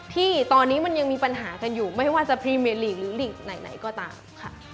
ที่ตอนนี้มันยังมีปัญหากันอยู่ไม่ว่าจะพรีเมลีกหรือหลีกไหนก็ตามค่ะ